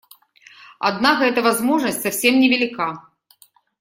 Однако эта возможность совсем невелика.